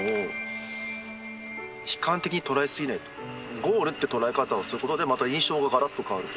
ゴールって捉え方をすることでまた印象ががらっと変わると。